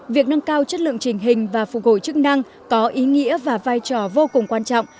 việc nâng cao chất lượng trình hình và phục hồi chức năng có ý nghĩa và vai trò vô cùng quan trọng